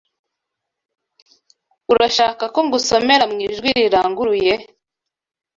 Urashaka ko ngusomera mu ijwi riranguruye?